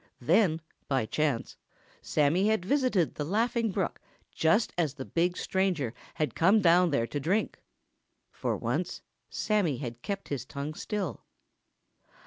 Then, by chance, Sammy had visited the Laughing Brook just as the big stranger had come down there to drink. For once Sammy had kept his tongue still.